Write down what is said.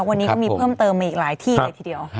วันนี้ก็มีเพิ่มเติมมาอีกหลายที่เลยทีเดียว